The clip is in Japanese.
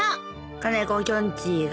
金子きょんちぃが。